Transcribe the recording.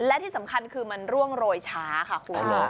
และที่สำคัญคือมันร่วงโรยช้าค่ะคุณ